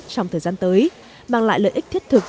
trong thời gian tới mang lại lợi ích thiết thực